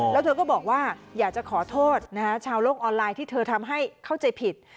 แล้วเธอก็บอกว่าอยากจะขอโทษชาวโลกออนไลน์ที่เธอทำให้เข้าใจผิด